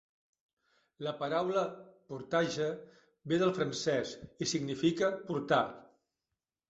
La paraula "portage" ve del francès i significa "portar".